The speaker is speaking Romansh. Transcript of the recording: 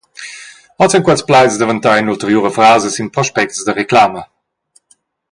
Oz ein quels plaids daventai in’ulteriura frasa sin prospects da reclama.